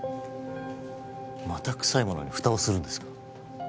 また臭いものにフタをするんですか？